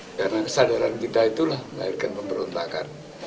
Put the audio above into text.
ya karena kesadaran kita itulah mengairkan pemberontakan